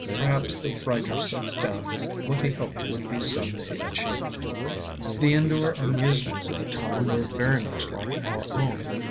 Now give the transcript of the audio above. Perhaps the writer sets down what he hoped would be some day achieved. The indoor amusements of the time were very much like our own.